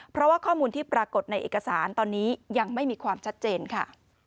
เพราะว่าข้อมูลที่ปรากฏในเอกสารตอนนี้ยังไม่มีความชัดเจนค่ะ